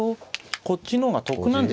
こっちの方が得なんですよね。